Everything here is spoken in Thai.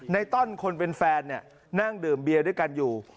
ในต้นคนเป็นแฟนเนี่ยนั่งดื่มเบียด้วยกันอยู่